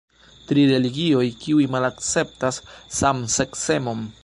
Tri religioj kiuj malakceptas samseksemon.